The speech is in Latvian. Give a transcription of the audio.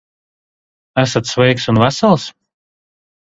Esat sveiks un vesels?